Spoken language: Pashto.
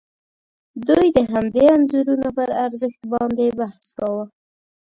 دوی د همدې انځورونو پر ارزښت باندې بحث کاوه.